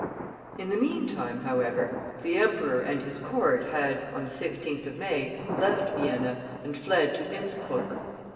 In the meantime, however, the Emperor and his Court had, on the 16th of May, left Vienna, and fled to Innspruck.